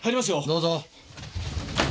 どうぞ。